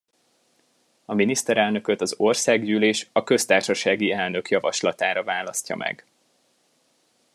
A miniszterelnököt az Országgyűlés a köztársasági elnök javaslatára választja meg.